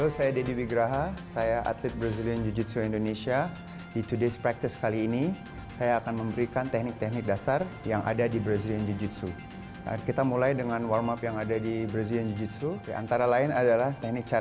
saya alexandra asma seberata sampai jumpa besok